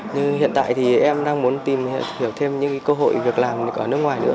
nhưng hiện tại em đang muốn tìm hiểu thêm những cơ hội việc làm ở nước ngoài nữa